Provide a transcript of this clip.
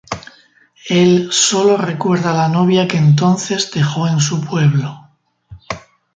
Él sólo recuerda la novia que entonces dejó en su pueblo.